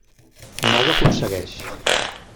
No ho aconsegueix.